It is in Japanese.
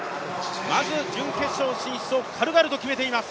まず準決勝進出を軽々と決めています。